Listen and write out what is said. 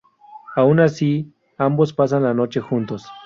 Aun así ambos pasan la noche juntos.